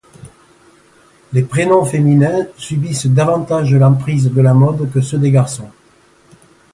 Les prénoms féminins subissent davantage l’emprise de la mode que ceux des garçons.